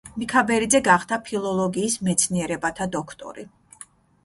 მიქაბერიძე გახდა ფილოლოგიის მეცნიერებათა დოქტორი.